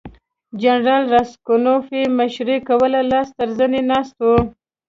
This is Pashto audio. جنرال راسګونوف یې مشري کوله لاس تر زنې ناست وو.